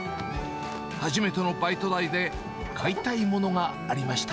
初めてのバイト代で買いたいものがありました。